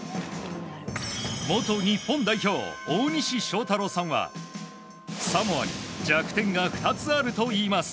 元日本代表大西将太郎さんはサモアに弱点が２つあるといいます。